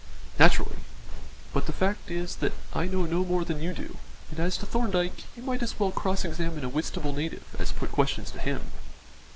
"Naturally. But the fact is that I know no more than you do, and as to Thorndyke, you might as well cross examine a Whitstable native as put questions to him."